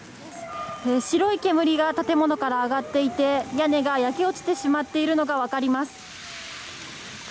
白い煙が建物から上がっていて屋根が焼け落ちてしまっているのが分かります。